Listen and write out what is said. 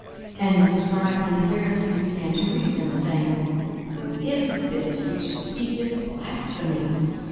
42:005:021 And the scribes and the Pharisees began to reason, saying, Who is this which speaketh blasphemies?